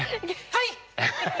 はい！